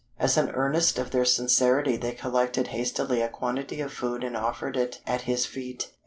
As an earnest of their sincerity they collected hastily a quantity of food and offered it at his feet.